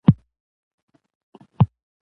په سختۍ پسې تل اساني وي.